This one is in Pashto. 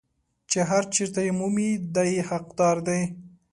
چې هر چېرته یې مومي دی یې حقدار دی.